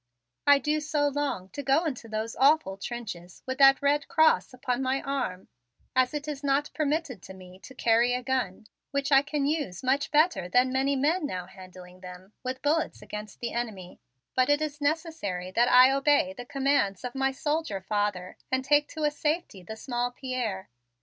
I do so long to go into those awful trenches with that red cross on my arm, as it is not permitted to me to carry a gun, which I can use much better than many men now handling them with bullets against the enemy; but it is necessary that I obey the commands of my soldier father and take to a safety the small Pierre."